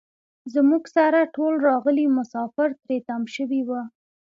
زموږ سره ټول راغلي مسافر تري تم شوي وو.